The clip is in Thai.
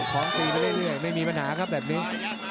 ของตีไปเรื่อยไม่มีปัญหาครับแบบนี้